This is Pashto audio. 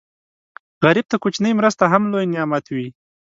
غریب ته کوچنۍ مرسته هم لوی نعمت وي